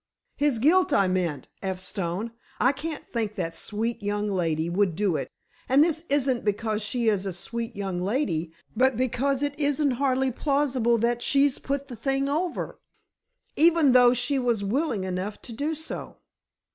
"His guilt, I meant, F. Stone. I can't think that sweet young lady would do it, and this isn't because she is a sweet young lady, but because it isn't hardly plausible that she's put the thing over, even though she was willing enough to do so."